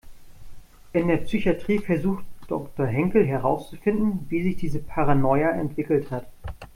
In der Psychatrie versucht Doktor Henkel herauszufinden, wie sich diese Paranoia entwickelt hat.